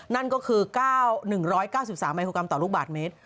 นั่นก็คือเก้าหนึ่งร้อยเก้าสิบสามไหมโครงกรรมต่อลูกบาทเมตร